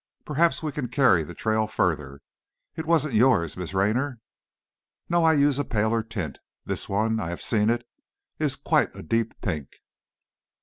Perhaps we can carry the trail further. It wasn't yours, Miss Raynor?" "No; I use a paler tint. This one, I have seen it, is quite a deep pink."